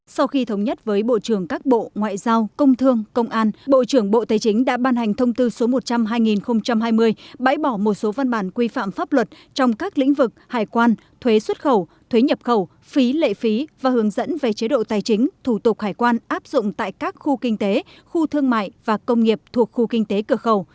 sau khi thống nhất với bộ trưởng các bộ ngoại giao công thương công an bộ trưởng bộ tài chính đã ban hành thông tư số một trăm linh hai nghìn hai mươi bãi bỏ một số văn bản quy phạm pháp luật trong các lĩnh vực hải quan thuế xuất khẩu thuế nhập khẩu phí lệ phí và hướng dẫn về chế độ tài chính thủ tục hải quan áp dụng tại các khu kinh tế khu thương mại và công nghiệp thuộc khu kinh tế cửa khẩu